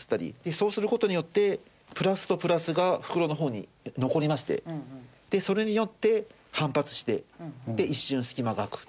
そうする事によってプラスとプラスが袋の方に残りましてそれによって反発して一瞬隙間が空く。